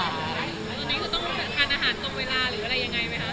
ตอนนี้คือต้องทานอาหารตรงเวลาหรืออะไรยังไงไหมคะ